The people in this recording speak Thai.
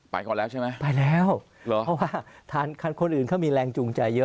ก่อนแล้วใช่ไหมไปแล้วเพราะว่าทานคนอื่นเขามีแรงจูงใจเยอะ